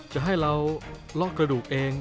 จะให้เราล็อกกระดูกเอง